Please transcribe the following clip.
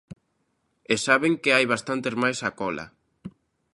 E saben que hai bastantes máis á cola.